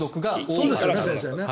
そうですよね？